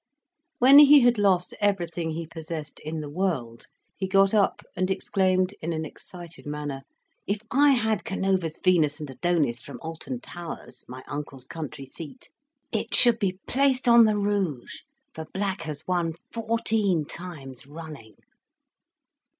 When he had lost everything he possessed in the world, he got up and exclaimed, in an excited manner, "If I had Canova's Venus and Adonis from Alton Towers, my uncle's country seat, it should be placed on the rouge, for black has won fourteen times running!"